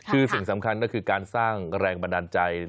คือสิ่งสำคัญก็คือการสร้างแรงบันดาลใจ